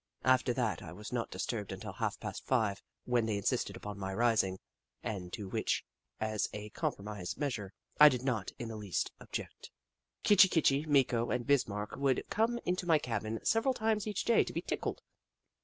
After that, I was not disturbed until half past five, when they insisted upon my rising, and to which, as a compromise measure, I did not in the least object. Kitchi Kitchi, Meeko, and Bismarck would come into my cabin several times each day to be tickled.